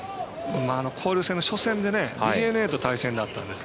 交流戦の初戦でＤｅＮＡと対戦だったんです。